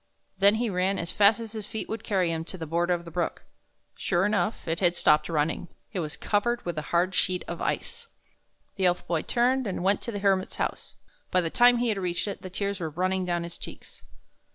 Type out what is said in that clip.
Then he ran as fast as his feet would carry him to the border of the brook. Sure enough, it had stopped running. It was covered with a hard sheet of ice. The Elf Boy turned and went to the Hermit's house. By the time he had reached it, the tears were running down his cheeks.